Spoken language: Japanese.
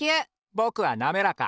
ぼくはなめらか！